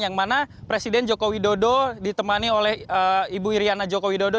yang mana presiden joko widodo ditemani oleh ibu iryana joko widodo